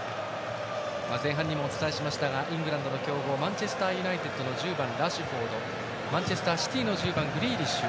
前半にもお伝えしましたがイングランドの強豪マンチェスターユナイテッドの１０番ラッシュフォードやマンチェスターシティーの１０番グリーリッシュ。